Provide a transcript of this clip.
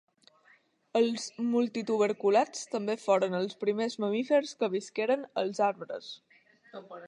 Els multituberculats també foren els primers mamífers que visqueren als arbres.